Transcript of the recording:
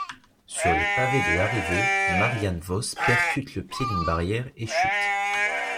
Sur les pavés de l'arrivée, Marianne Vos percute le pied d'une barrière et chute.